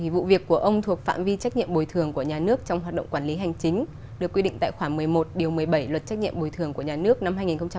vụ việc của ông thuộc phạm vi trách nhiệm bồi thường của nhà nước trong hoạt động quản lý hành chính được quy định tại khoản một mươi một một mươi bảy luật trách nhiệm bồi thường của nhà nước năm hai nghìn một mươi ba